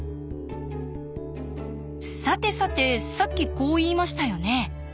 さてさてさっきこう言いましたよね。